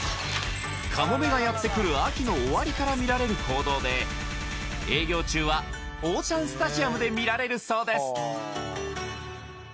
カモメがやってくる秋の終わりから見られる行動で営業中はオーシャンスタジアムで見られるそうです